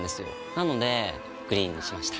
なのでグリーンにしました。